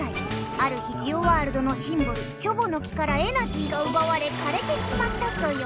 ある日ジオワールドのシンボルキョボの木からエナジーがうばわれかれてしまったソヨ。